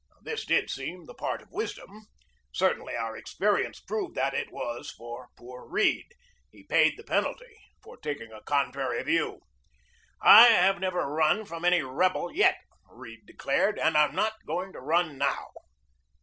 This did seem the part of wisdom. Certainly our experience proved that it was for poor Read. He paid the penalty for taking a contrary view. "I have never run from any rebel yet," Read de clared, "and I'm not going to run now."